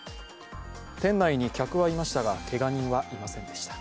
店内に客はいましたが、けが人はいませんでした。